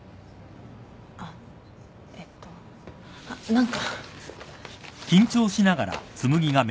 あっえっと何か。